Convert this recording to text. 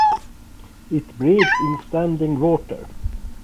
It breeds in standing water.